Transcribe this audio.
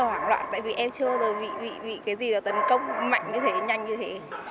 rất là hoảng loạn tại vì em chưa bao giờ bị cái gì là tấn công mạnh như thế nhanh như thế